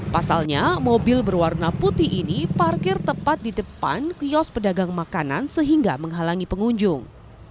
pasalnya mobil berwarna putih ini parkir tepat di depan kios pedagang makanan sehingga menghalangi pengunjung